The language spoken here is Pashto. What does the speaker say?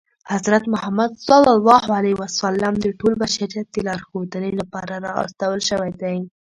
حضرت محمد ص د ټول بشریت د لارښودنې لپاره را استول شوی دی.